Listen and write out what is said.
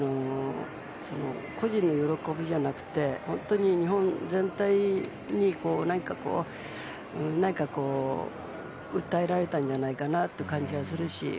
個人の喜びじゃなくて日本全体に訴えられたんじゃないかなという感じはするし。